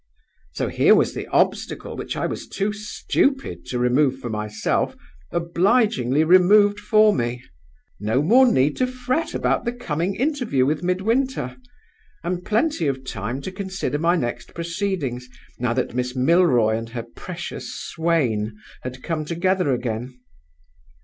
"So here was the obstacle which I was too stupid to remove for myself obligingly removed for me! No more need to fret about the coming interview with Midwinter; and plenty of time to consider my next proceedings, now that Miss Milroy and her precious swain had come together again.